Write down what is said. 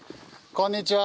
こんにちは！